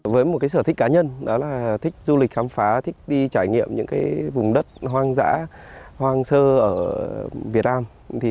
với một sở thích cá nhân đó là thích du lịch khám phá thích đi trải nghiệm những vùng đất hoang dã hoang sơ ở việt nam